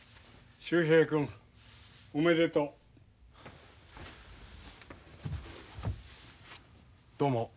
秀平君おめでとう。